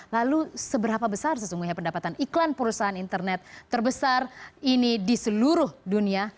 lalu seberapa besar sesungguhnya pendapatan iklan perusahaan internet terbesar ini di seluruh dunia